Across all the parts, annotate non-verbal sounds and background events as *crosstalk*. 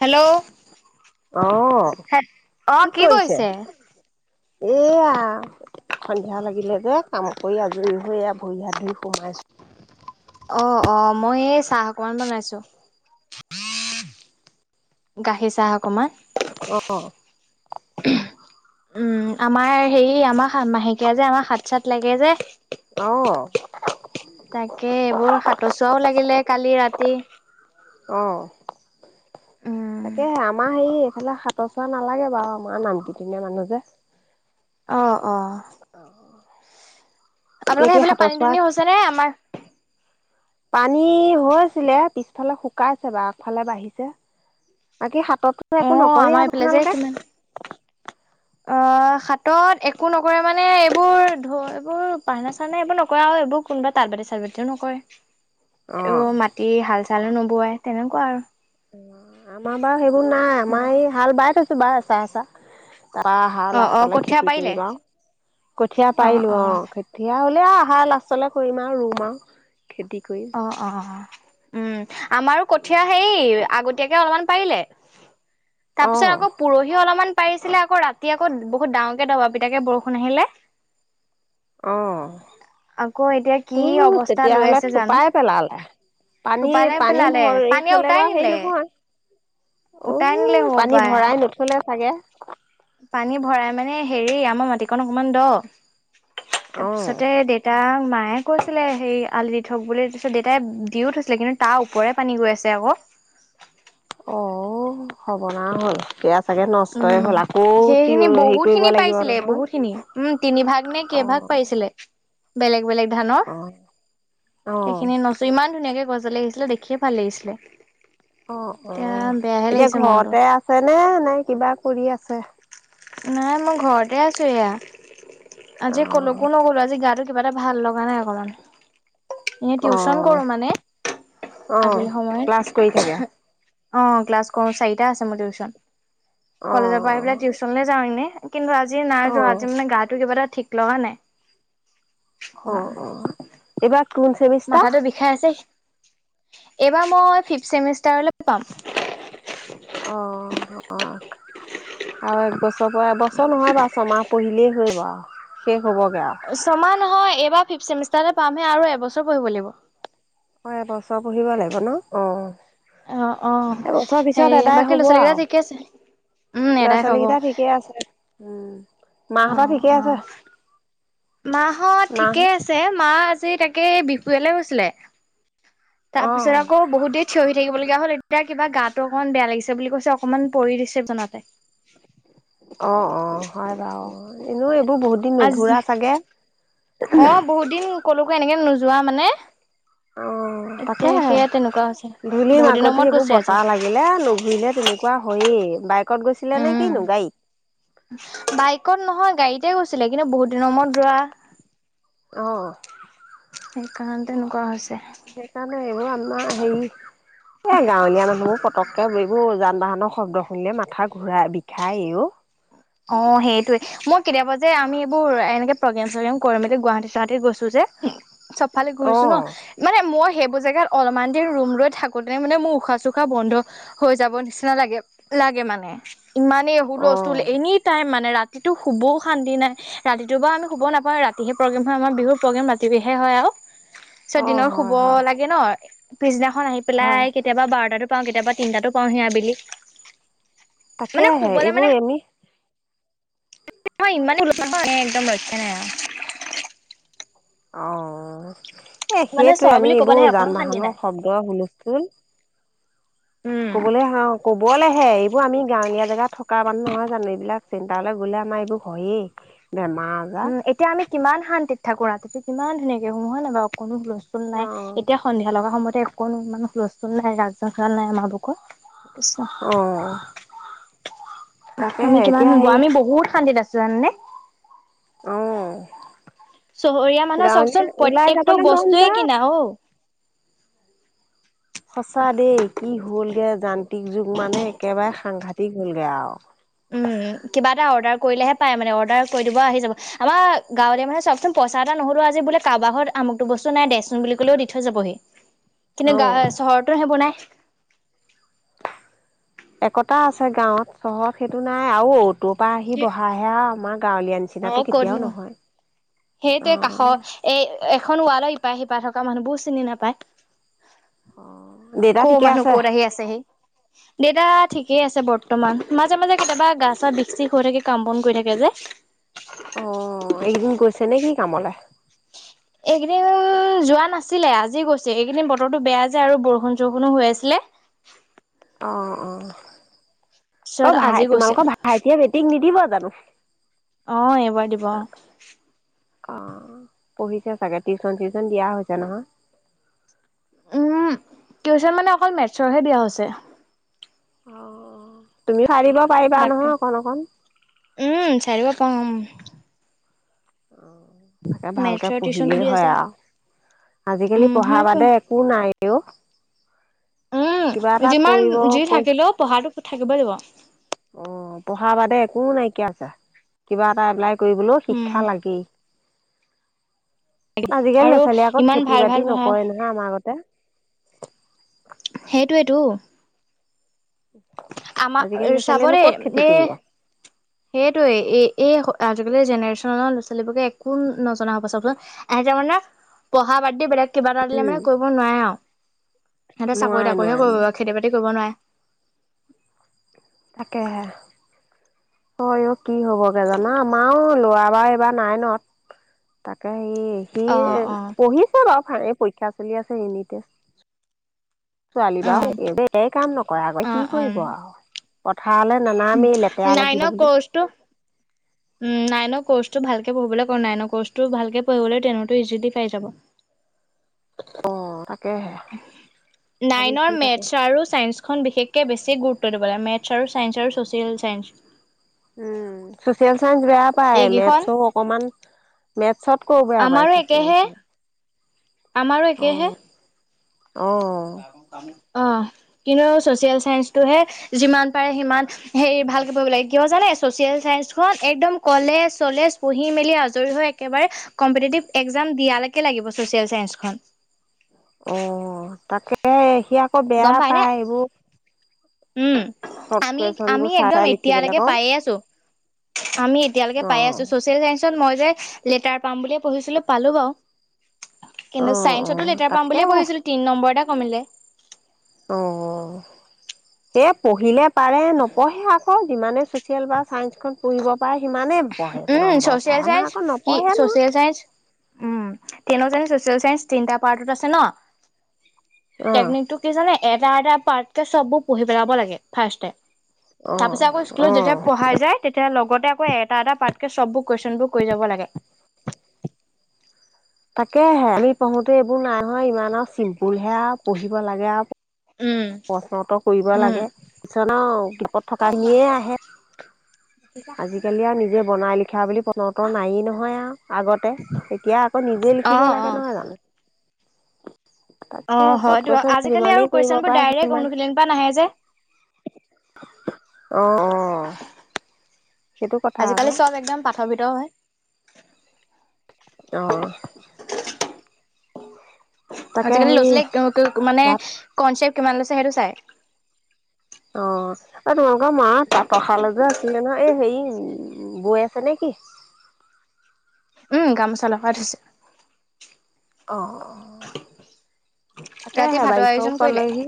Hello অ কি কৰিছে এয়া। সন্ধিয়া লাগিলে যে কাম কৰি আজৰি হৈ ভৰি হা ধুই সোমাইছোঁ। অঁ, অঁ মই এ'ই চাহ অকমান বনাইছো। গাখীৰ চাহ অকমান। অ', উম, আমাৰ হেৰি আমাৰ মাহেকীয়া যে আমাৰ হাত, চাত লাগে যে- অ', তাকে এইবোৰ সাত চোৱাও লাগিলে, কালি ৰাতি। কি *unintelligible* অঁহ উম ইফালে সাতৰচোৱা নালাগে বাৰু, আমাৰ নামঘৰীয়া মানুহ যে। অঁ, অঁ এতিয়া আপোনালোকৰ কি সেইফালে সাতৰ পানী- চোৱা দুনি হৈছে নে? আমাৰ- পানী হৈছিলে। পিছফালে শুকাইছে বা' আগফালে বাঢ়িছে। বাকী- তা'ত তো অ একো নকৰে আমাৰ এইফালে আপোনালোকে? অঁ, হাতত একো নকৰে মানে, এইবোৰ ধো এইবোৰ পাৰনা-চাৰনা এইবোৰ নকৰে আৰু, এইবোৰ কোনোবা তাঁত বাতি- চাট বাতিও নকৰে। অ'। অঁ মাটি হা'ল- চালো - বোৱাই তেনেকুৱা আৰু। আমাৰ বাৰু- সেইবোৰ নাই, আমাৰ আৰু এই হাল বাই থৈছে। বাৰু আচ্ছা, আচ্ছা। তাৰপৰা অ হাত, অ আঠতা লৈ কঠীয়া খেতি পাৰিলে কৰিম আউ। কঠীয়া অ পাৰিলো অ অঁ কঠীয়া- আহাৰ লাষ্টত লৈ কৰিম আৰু ৰুম আৰু। খেতি কৰিম অঁ, অঁ, অঁ। উম। আমাৰো কঠীয়া সেই আগতে- তিয়াকে অলপমান পাৰিলে। তাৰ অ পিছত আকৌ পৰহি অলপমান- পাৰিছিলে। আকৌ' ৰাতি আকৌ বহুত ডাঙৰ কে দবা- পিতা কে বৰষুণ আহিলে। অঁ, আকৌ এতিয়া কি উ' অৱস্থা তেতিয়া লৈ হ'লে আছে জানো থোপাই- পেলালে। পানী, থোপালে পানী পেলালে ভৰি পানীয়ে থলে উটাই বাৰু নিলে নহয় উটাই নিলে উ' হ'ব পানী পাই ভৰাই নথলে। চাগে। পানী ভৰাই মানে, হেৰি আমাৰ মাটি কণ মানে দ'। তাৰ অ পিছতে দেউতাক, মায়ে মায়ে কৈছিলে, হেই আলি দি থ' বুলি তাৰ পিছত, দেউতাই দিও থৈছিলে, কিন্তু তাৰ ওপৰে পানী গৈ আছে আকৌ। অ হৰবনাস হ'ল বেয়া চাগে নষ্ট- উম, সেইখিনি বহুতখিনি লাগিব পাইছিলে, নহয় বহুতখিনি উম তিনিভাগ, নে অ কেইভাগ পাইছিলে। বেলেগ, বেলেগ ধানৰ। অ অ সেইখিনি কই ছো ইমান ধুনাকে - এইফালে আহিছিলে দেখিয়ে ভাল লাগিছিলে অ অ এতিয়া বেয়াহে এতিয়া লাগিছে মনটো ঘৰতে আছে নে নে কিবা কৰি আছে? নাই মই ঘৰতে আছোঁ এয়া আজি ক'লোকো অ নগ'লো আজি গা়টো কিবা এটা ভাল লগা নাই অকমান। এনে অ টিউচন কৰো মানে অ, আবেলি সময়ত ক্লাছ কৰি থাকে। অ, ক্লাছ কৰো চাৰিটা আছে মোৰ টিউচন। কলেজৰ পৰা আহি পেলাই অঁ। টিউচনলৈ যাওঁ এনে। কিন্তু আজি নাই যোৱা আজি মানে গাটো কিবা এটা। ঠিক লগা নাই। অ অ এবাৰ। মাথাতো বিষাই আছে। এইবাৰ মই ফিফচেমিষ্টাৰলে পাম। অ অ, আৰু একবছ। ৰ এবছৰ নহয় বাৰু ছমাহ। পঢ়িলেই হ'ব শেষ। হ'বগৈ আৰু ছমা নহয় এইবাৰ ফিফচেমিষ্টা। তালে পামহে আৰু এবছৰ পঢ়িব লাগিব হয় এ ব। ছৰ পঢ়িব লাগিব ন, অ এবছৰ হেৰি পিছত এদাই বাকী ল'ৰা হ'ব ছোৱালীকেইটা আৰু ঠিকে আছে? উম ল'ৰা এদাই ছোৱালী হ'ব। কেইটা ঠিকে আছে উম। অ মাহঁতৰ ঠিকে অ, আছে মাহত মাহ ঠিকেই আছে মা আজি তাকে বি। য়ালে গৈছিলে। তাৰ অ', পিছত আকৌ, বহুত দেৰি থিয় হৈ থাকিবলগীয়া হ'ল। তেতিয়া কিবা গাটো অকমান বেয়া লাগিছে বুলি কৈছে অকনমান পৰি দিছে বিছনাতে। অ অ হয় বাৰু এনেও। এইবোৰ বহুত দিন আজি নুঘূৰা চাগে অ বহুত দিন কলকো এনেকে নো। যোৱা মানে। অ, তাকে এতিয়া সেয়া তেনেকুৱা হৈছে ধূলি বহুত দিনৰ মাকতি মূৰত এইবোৰ গৈছে আজি বতাহ লাগিলে নুঘূৰিলে তেনেকুৱা হয়েই। বাইকত গৈছিলে নে উম। কিনো গাড়ীত। বাইকত নহয় গাড়ীতে গৈছিলে, কিন্তু বহুত দিনৰ মূৰত যোৱা। অহ। সেইকাৰণে তেনেকুৱা হৈছে। সেইকাৰণে এইবোৰ আমাৰ হেৰি এ গাঁৱলীয়া মানুহবোৰ পতককে এইবোৰব যান বাহন। শব্দ শুনিলে মাথা ঘূৰা বিষায় এ ও। অ, সেইটোয়ে মই কেতিয়াবা যে আমি এইবোৰ এনেকে প্ৰগ্ৰেম চগ্ৰেম কৰি মেলি গুৱাহাটী চোৱাহাতি গৈছো যে। চবফালে অ ঘূৰিছো ন মানে মই। সেইবোৰ জেগাত অলপমান দেৰি ৰুম লৈ থাকোতে মানে মোৰ উশাহ চশাহ বন্ধ হৈ যাব নিচিনা লাগে লাগে মানে। ইমানেই হুল অ ষ্টুল এনিটাইম মানে ৰাতিটো শুবও শান্তি নাই ৰাতিটো বা আমি শুব নাপাওঁ ৰাতিহে প্ৰগ্ৰেম হয় আমাৰ বিহুৰ প্ৰগ্ৰেম ৰাতিহে হয় আৰু *unintelligible* পিছত অ দিনৰ শুব হয় হয় লাগে ন পিছদিনা খন আহি হয় পেলাই কেতিয়াবা বাৰটাটো পাওঁ কেতিয়াবা তিনটাতো পাওঁহি আবেলি তাকে মানে আহে এইবোৰ আমি ইমান একদম ৰক্ষা নাই আও অ এ মানে সেইটোৱে চৰ আমি বুলি এইবোৰ ক'বলেহে অকনো যান শান্তি বাহনৰ নাই শব্দ হুলস্থুল *unintelligible* উম ক'বলৈ হা ক'ব কবলেহে এইবোৰ আমি গাঁৱলীয়া জেগাত থকা মানুহ নহয় জানো এইবিলাক চিন্তা লৈ গ'লে আমাৰ এইবোৰ হয়েই *unintelligible* আজাৰ উম এতিয়া আমি কিমান শান্তিত থাকো ৰাতিটো কিমান ধুনীয়াকে শুও হয় নাই বাও অকনো নাই অ এতিয়া সন্ধিয়া লগা সময়ত একোন মানো হুল স্থুল নাই ৰাজসজাচল নাই আমাৰ বুকত অ তাকেহে আমি কিমান এতিয়া শুনবোৱা হেৰি আমি বহুত শান্তিত আছো জাননে অ চহৰীয়া মানুহ গাঁৱলীয়া চাওকচোন ওলাই প্ৰত্যেকতটো যাবলৈ মন বস্তুয়েই যায় কিনা অ সঁচা দেই কি হ'লগে যান্ত্ৰিক যুগ মানে একেবাৰে সাংঘাতিক হ'লগে আৰু উম কিবা এটা অৰ্ডাৰ কৰিলেহে পায় মানে অৰ্ডাৰ কৰি দিব আহি যাব আমাৰ গাঁৱলীয়া মানে চাকচোন পইচা এটা নহ'লেও আজি বোলে কাবাৰ ঘৰৰ আমুকটো বস্তু নাই দেচোন বুলি ক'লেও দি থৈ যাবহি কিন্তু অ গা চহৰতো সেইবোৰ নাই চহৰ সেইটো নাই আৰু তৰ পৰা আহি সেই বহাহে আৰু আমাক গাঁৱলীয়া নিচিনাটো অ কেতিয়াও ক'তনো নহয় অ সেইটোৱে কাষ এ এখন ৱালৰ ইপাহ সিপা থাক *unintelligible* কা মানুহবোৰ চিনি নাপায়। অ দেউতা ক' ঠিকে মানুহ আছে কত আহি আছেহি। দেউতা ঠিকেই আছে বৰ্ত বৰ্তমান। মাজে মাজে কেতিয়াবা গা চা বিষ চিপ হৈ থাকে কাম বন কৰি থাকে যে, *unintelligible* অ এইকেইদিন গৈছে নে কি কামলে এইকেইদিন যোৱা নাছিলে। আজি গৈছে। এইকেইদিন বতৰটো বেয়া যে আৰু বৰষুণ-চৰষুণো হৈ আছিলে। অঁ অঁ। পিছত অ আজি ভাই গৈছে তোমালোকৰ ভাইটিয়ে মেট্ৰিক নিদিব জানো। অ এইবাৰ দিব। অ। পঢ়িছে চাগে, টিউচন-চিউচন দিয়া হৈছে নহয়। উম টিউচন মানে অকল মেটছৰহে দিয়া হৈছে। অ, অ তুম চাই দিব পাৰিবা তাকে। নহয় অকণ অকণ? কম অ। তাকে ভালকে মেথছৰ টিউচনটো পঢ়িলেই দি হয় আছে। আৰু। আজি-কালি উম, পঢ়া হয়তো। বাদে একো নাই। হ উম যিমান যি থাকিলেও পঢ়াটো টো থাকিবই লাগিব। অ, পঢ়া বাদে একো নাইকিয়া হৈছে। কিবা এটা এপ্লাই কৰিবলৈও উম, শিক্ষা লাগেই। আজিকালি ল' আৰু ছোৱালীয়ে আকৌ ইমান খেতি ভাল ভাল বাতি পঢ়া নকৰে নহয়। আমাৰ আগতে সেইটোৱেইেতো। আজিকালি আমাৰ ল'ৰা চাব ছোৱালীয়েনো দে ক'ত খেতি এ কৰিব সেইটোৱে এ এই আজিকালি জেনেৰেচনৰ ল'ৰা-ছোৱালীবোৰে একো নজনা হ'ব চাবচোন। এহেতে মানে পঢ়া বাদ দি বেলেগ কিবা এটা দিলে উম মানে কৰিব নোৱাৰে আৰু। সিহঁতে নোৱাৰে চাকৰি-তাকৰিহে নোৱাৰে কৰিব। নোৱাৰে খেতি-বাতি কৰিব নোৱাৰে। তাকেহে। অ, অ কি হবগে জানা। আমাৰও লৰা বাৰ এইবাৰ নাই ন। তাকেহে। হেৰি অ', সি অ'। পঢ়িছে বাও। ভালে পৰীক্ষা চলি আছে ইউনি টেষ্ট। ছোৱালী অ', বাৰু তাই কাম নকৰে আকৌ কি অ', অ', কৰিব আৰু। পথাৰলে নানামেই লেতেৰা লাগিব বুলি। উ নাইনৰ কৰ্চটো ভালকে পঢ়িবলৈ ক। নাইনৰ কৰ্চটো ভালকে পঢ়িলেই তেনটো ইজিলি পাৰি যাব। অ তাকেহে ভাবিছো নাইনৰ তাকে মেথছ আৰু চাইন্স খন বিশেষ কে বেছি গুৰুত্ব দিব লাগে। মেথছ আৰু ছাইন্স আৰু social science. Um social science বেয়া পায় এইকেইখন মেথছো অকনমান মেথছতকৈও বেয়া পাই আমাৰো চচিএল একেহে, চাইন্স। আমাৰো একেহে। অ', অ ক ক কাম। অ কিন্তু ছচিয়েল চাইন্সটোহে যিমান পাৰে সিমান হে ভালকে পঢ়িব লাগে কিয় জানে চচিয়েল চসখন একদম কলেজ চলেজ পঢ়ি মেলি আজৰি হৈ একেবাৰে কম্পিটটিভ এক্জাম দিয়ালৈকে লাগিব চাইন্সখন। অ তাকে। সি আকৌ বেয়া গম পায়নে? পায় এইবোৰ। উম চৰ্ট আমি কুৱেশচন আমি বোৰ চাই একদম চাই লিখিবলৈ এতিয়ালৈকে কওঁ পাইে আছো আমি এতিয়ালৈকে পাই অ', আছো ছচিয়েল চাইন্সত মই যে। লেটাৰ পাম বুলিয়ে পঢ়িছিলো পালো বাৰু। কিন্তু অ', চায়ন্সতো অ', লেটাৰ পাম তাকে বুলিয়েঢিছিলো তিনি নম্বৰ এটা। কমিলে। অ এ পঢ়িলে। পাৰে নপঢ়ে আকৌ যিমানে চচিয়েল বা চায়ন্সখন পঢ়িব। পাৰে সিমানেই পঢ়ে উম নম্বৰ পায় চচিয়েল আমাৰ চাইস আকৌ কি নপঢ়ে নহয় social science um. Ten social science তিনিটা পাৰ্টত আছে ন। অ টেকনিক টো কি জানে এক। দা পাতকে চবোৰ পঢ়ি পেলাব লাগে ফাৰ্ষ্ট টে অ তাৰ পিছত আকৌ অ স্কুলত যেতিয়া পঢ়াই যায় তেতিয়া লগতে আকৌ এ এটা পাৰ্কে চবোৰ কুৱেশচন বোৰ কৰি যাব লাগে। তাকেহে আমি পঢ়োতে এইবোৰ নাইহয় ইমান আৰু চিম্পুল হে আৰু পঢ়িব লাগে আৰু। উম, প্ৰশ্ন উওৰ কৰিব উম, লাগে কিছূমান আৰু দীপত থকাখিনিয়ে আহে। আজিকালি আৰু নিজে বনাই লিখা বুলি বনতৰ নাই নহয় আৰু আগতে এতিয়া আকৌ নিজে লিখিব অ', অ'। লাগে নহয় জানো। অ তাকে চত হয়তো কৈ থ আজিকালি আৰু যিমানেই কৰিব কুৱেশচন বোৰ পাৰে ডাইৰেক্ট সিমান অনুশীলনৰ পৰা নাহে যে অ অ। সেইটো কথা আজিকালি আকৌ চব একদম পাঠ ভিত হে। অ তাকে আজিকালি ল'ৰা সেই ছোৱালীক মানে তাত কনচেপ্ট কিমান লৈছে সেইটো চাই। অ তোমালোকৰ মা তাতৰ শাল এযোৰ আছিলে ন এই হেৰি বৈ আছে নে কি। উম গামোচা লগাই থৈছে। অ অ। *inaudible* তাকে ৰাতি আহে ভাতৰ বাৰিষাও আয়োজন কৰিলে পালেহি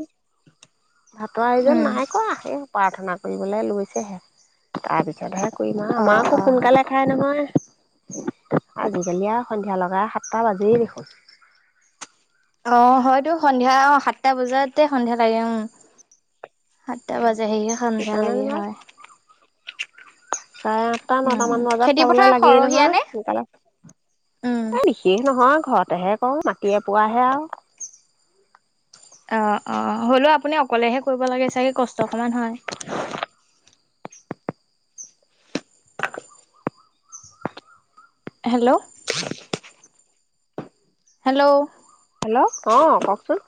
ভাতৰ আয়োজন উম নাই কৰা সেই প্ৰাৰ্থনাত কৰিবলৈ লৈছেহে তাৰপিছতহে কৰিম আৰু অ আমাৰ আকৌ অ সোনকালে খাই নহয়। আজিকালি আৰু সন্ধিয়া লাগা সাতটা বাজিয়ে দেখোন। অ হয়তো সন্ধিয়া অ সাতটা বজাতে সন্ধিয়া লাগে উ। অ সেইকাৰণেমাৰ হয় চাৰে আঠটা উম নটামান বজাত খেতি পথাৰ খাবলৈ লাগেই সৰহীয়া নহয় নে সোনকালে উম এই বিশেষ নহয় ঘৰত। এহে কা মাটি পোৱাহে আৰু। অ অ হ'লেও আপুনি অকলেহে কৰিব লাগে চাগে কষ্ট অকমান হয়। হেল্ল'! *inaudible* হেল্ল'! হেল্ল' অ কওকচোন।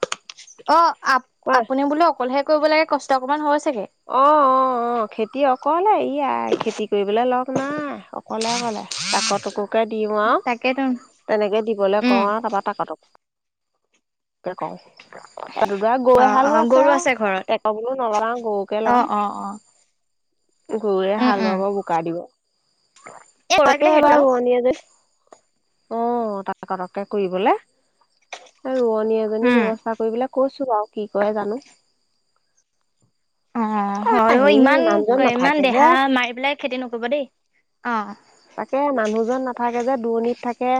অঁ। আপ কোৱা। আপুনি বোলে অকলেহে। কৰিব লাগে কষ্ট অকণমান হয়' চাগে। অ অ অ খেতিয়ক। অকলে ইয়াই খেতি কৰিবলৈ লগ নাই অকলে অকলে জাকৰ *unintelligible* কে দিওঁ আৰু তাকেতো তেনেকৈ দিবলৈ উম। কওঁ আৰু তাৰপৰা কাতো। ত কওঁ। এদগা অ অ গৈহালো আছে আৰু টেক্টৰ বোলো লগা নাই গৰু অঁ অঁ অঁ। গৰুৱে হালোৱাব বোকা দিব এই লাগিলে তাকে এবাৰ সেইটো ৰোৱনীয়ে যে। অহ তাক পটককে কৰিবলে। ৰোৱনী এজনী উম ব্যৱস্থা কৰিবলে কৈছো। আৰু কি কৰে জানো। অ হয় হেৰি ইমান মানুহজন ইমান নাথাকে যে দেহা মাৰি পেলাই খেতি ন হ'ব দেই অ তাকে মানুহজন নাথাকে যে দূৰণিত থাকে,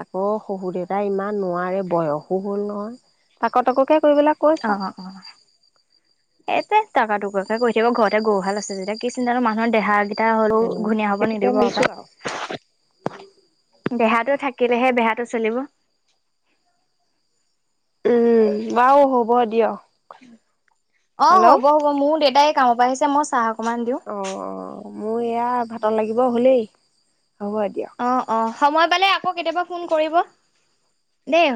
আকৌ শহুৰ দেউতাই ইমান নোৱাৰে বয়সো হল নহয় তাকো তাককে কৰিবলৈ কৈছো অ আৰু অ অ সেইটোৱে তাক তোকাকৈ কৰি থাকিব ঘৰতে গৰুহাল আছে যেতিয়া কি চিন্তা ন মুহৰ দেহা এ হলেও উম ঘুনীয়া হ'ব সেইটোকে নিদিব অ ভাবিছো পায় আৰু দেহাতো থাকিলেহে বেহাত চলিব *unintelligible* উম বাৰু হ'ব দিয়া। অ হ'ব হ'ব মোৰ দেউতাই কামৰ পৰা আহিছে, মই চাহক। অ অ মোৰ এয়া ভাতত লাগিব হলেই। হ'ব দিয়ক। অ অ সময় পালে আকৌ কেতিয়াবা ফোন কৰিব দেই।